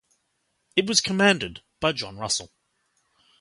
It was commanded by John Russell.